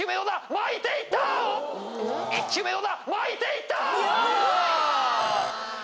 巻いていったよ！